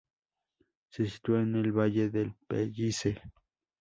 Se sitúa en el valle del Pellice.